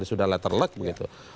sudah letter luck